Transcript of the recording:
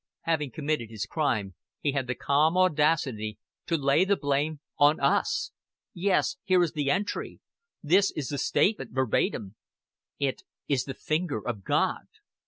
Having committed his crime, he had the calm audacity to lay the blame on US.... Yes, here is the entry. This is the statement verbatim: 'It is the finger of God'."